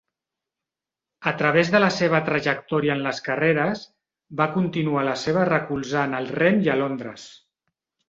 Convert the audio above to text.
A través de la seva trajectòria en les carreres, va continuar la seva recolzant al rem i a Londres.